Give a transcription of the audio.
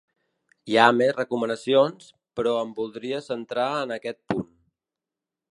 Hi ha més recomanacions, però em voldria centrar en aquest punt.